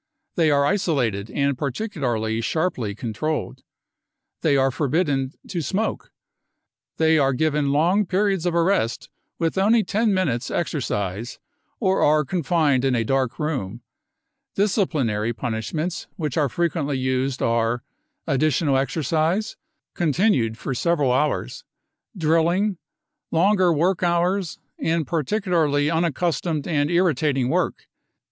They are isolated and particularly sharply controlled. They are forbidden to smoke. They are given long periods of arrest with only ten minutes exercise, or are confined in a dark room. Disciplinary punishments which are frequently used art : additional exercise, con tinued for several hours, drilling, longer work hours, and particularly unaccustomed and irritating wo^k.